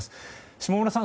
下村さん